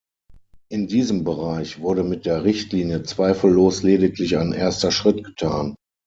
In diesem Bereich wurde mit der Richtlinie zweifellos lediglich ein erster Schritt getan.